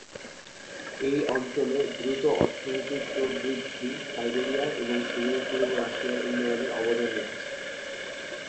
এই অঞ্চলে দ্রুত অর্থনৈতিক প্রবৃদ্ধি সাইবেরিয়া এবং সুদূর-পূর্ব রাশিয়ার উন্নয়নে অবদান রেখেছিল।